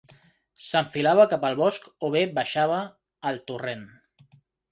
S'enfilava cap al bosc o bé baixava al torrent